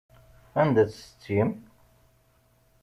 Anda-tt setti-m?